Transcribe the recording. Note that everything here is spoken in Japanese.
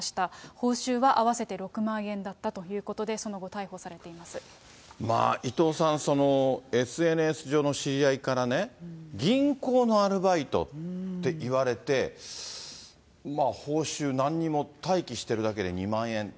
報酬は合わせて６万円だったということで、その後逮捕されていま伊藤さん、そのＳＮＳ上の知り合いからね、銀行のアルバイトって言われて、まあ報酬、なんにも、待機しているだけで２万円。